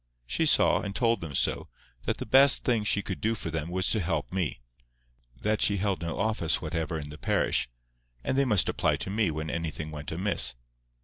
She saw, and told them so, that the best thing she could do for them was to help me, that she held no office whatever in the parish, and they must apply to me when anything went amiss.